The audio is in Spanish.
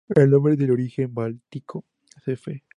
El nombre es de origen báltico; cf.